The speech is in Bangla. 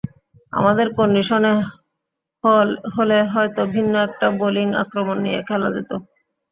আমাদের কন্ডিশনে হলে হয়তো ভিন্ন একটা বোলিং আক্রমণ নিয়ে খেলা যেত।